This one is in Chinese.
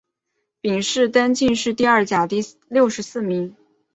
殿试登进士第二甲第六十四名。